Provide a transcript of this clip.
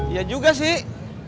iya juga sih